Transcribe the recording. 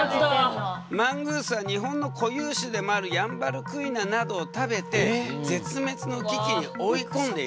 マングースは日本の固有種でもあるヤンバルクイナなどを食べて絶滅の危機に追い込んでいるんだ。